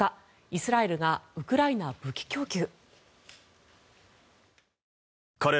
イスラエルがウクライナ武器供給。